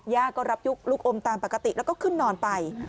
ก็รับยุคลูกอมตามปกติแล้วก็ขึ้นนอนไป